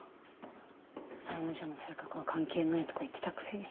債務者の性格は関係ないとか言ってたくせに。